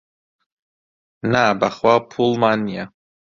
نا بەخوا پووڵمان نییە.